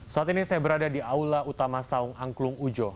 saat ini saya berada di aula utama saung angklung ujo